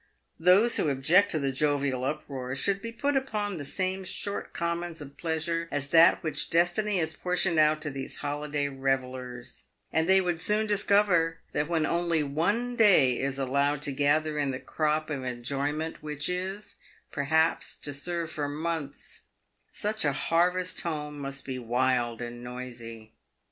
Those who object to the jovial uproar should be put upon the same short commons of pleasure as that which destiny has portioned out to these holiday revellers, and they would soon discover that when only one day is allowed to gather in the crop of enjoyment which is, perhaps, to serve for months, such a harvest home must be wild and noisy.